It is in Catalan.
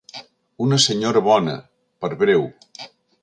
Una senyora bona, per breu.